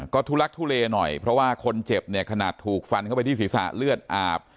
ก็ทุลักทุเลหน่อยเพราะว่าคนเจ็บเนี่ยขนาดถูกฟันเข้าไปที่ศีรษะเลือดอาบ